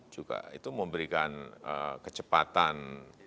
juga itu memberikan kecepatan